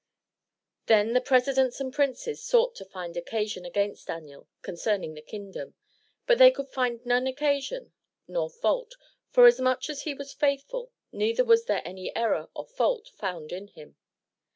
Then the presidents and princes sought to find occasion against Daniel concerning the kingdom. But they could find none occasion nor fault, forasmuch as he was faithful, neither was there any error or fault found in him.